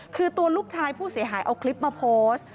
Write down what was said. คือตัวลูกชายผู้เสียหายเอาคลิปมาโพสต์